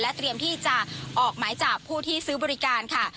เตรียมที่จะออกหมายจับผู้ที่ซื้อบริการค่ะ